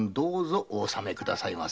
お納め下さいませ。